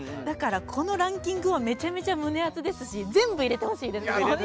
だから、このランキングめちゃくちゃ胸アツですし全部入れてほしいです。